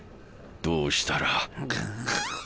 どうしたら。